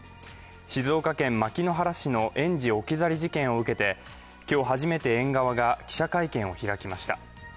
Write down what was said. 静岡県牧之原市の園児置き去り事件を受けて今日初めて園側が記者会見を開きました。